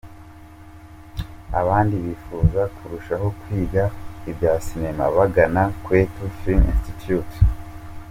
Abandi bifuza kurushaho kwiga ibya sinema bagana Kwetu Film Institute.